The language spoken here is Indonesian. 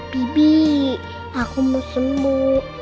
bibi aku mau sembuh